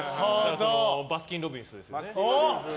バスキンロビンスですね。